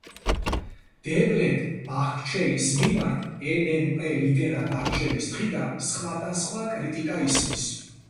დევლეთ ბაჰჩელის მიმართ, ნმპ ლიდერად არჩევის დღიდან, სხვადასხვა კრიტიკა ისმის.